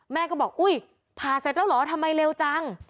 แม่ก็บอกอุ๊ยผ่าเสร็จแล้วเหรอทำไมเร็วจัง